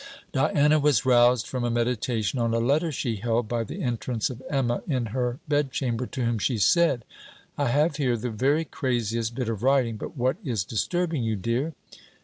Diana was roused from a meditation on a letter she held, by the entrance of Emma in her bed chamber, to whom she said: 'I have here the very craziest bit of writing! but what is disturbing you, dear?'